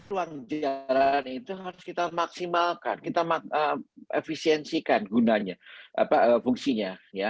ruang jalan itu harus kita maksimalkan kita efisiensikan gunanya fungsinya